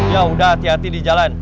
yaudah hati hati di jalan